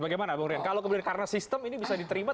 bagaimana bung rian kalau kemudian karena sistem ini bisa diterima